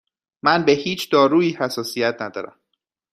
من به هیچ دارویی حساسیت ندارم.